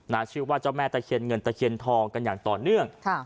ชื่อว่าเจ้าแม่ตะเคียนเงินตะเคียนทองกันอย่างต่อเนื่องค่ะ